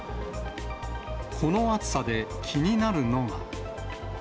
この暑さで気になるのが。